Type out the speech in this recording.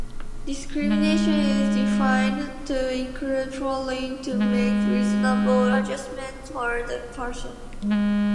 Discrimination is defined to include failing to make reasonable adjustments for the person.